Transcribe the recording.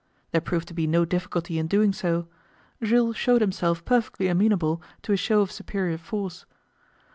There proved to be no difficulty in doing so; Jules showed himself perfectly amenable to a show of superior force.